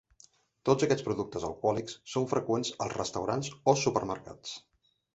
Tots aquests productes alcohòlics són freqüents als restaurants o supermercats.